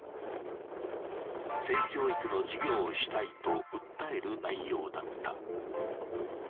性教育の授業をしたいと訴える内容だった。